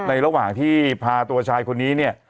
ระหว่างที่พาตัวชายคนนี้เนี่ย